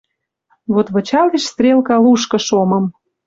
Вот вычалеш стрелка лушкы шомым